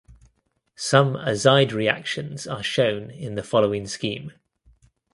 Some azide reactions are shown in the following scheme.